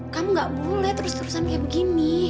kamu gak boleh terus terusan kayak begini